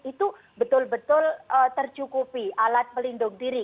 itu betul betul tercukupi alat pelindung diri